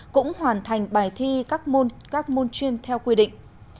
cũng hoàn thành bài thi các môn chuyên theo quy định